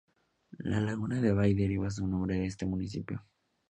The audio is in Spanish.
La Laguna de Bay deriva su nombre de este municipio.